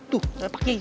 pak kiai berhati hati